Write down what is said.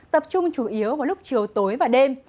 tập trung chủ yếu vào lúc chiều tối và đêm